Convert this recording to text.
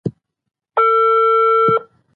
یو یا دوه ځله ډاکټر ته تلل بسنه نه کوي.